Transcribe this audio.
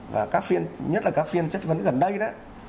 và các phiên nhất là các phiên chất vấn gần đây đó